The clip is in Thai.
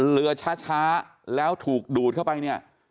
เรือช้าแล้วถูกดูดเข้าไปเนี่ย